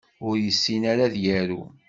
Ur yessin ara ad yaru.